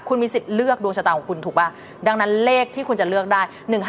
คุณมีสิทธิ์เลือกดวงชะตาของคุณถูกป่ะดังนั้นเลขที่คุณจะเลือกได้๑๕